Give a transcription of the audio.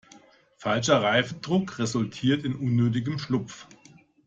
Falscher Reifendruck resultiert in unnötigem Schlupf.